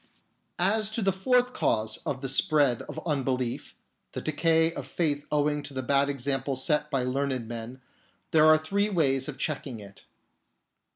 As to the fourth cause of the spread of unbelief — the decay of faith owing to the bad example set by learned men — there are three ways of checking it.